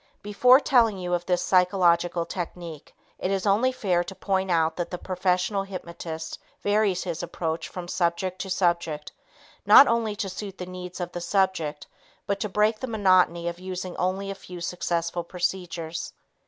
Before telling you of this psychological technique, it is only fair to point out that the professional hypnotist varies his approach from subject to subject, not only to suit the needs of the subject but to break the monotony of using only a few successful procedures.